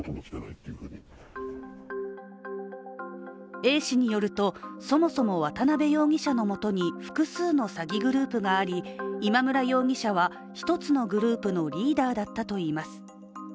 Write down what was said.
Ａ氏によると、そもそも渡辺容疑者のもとに複数の詐欺グループがあり、今村容疑者は一つのグループのリーダーだったといいます。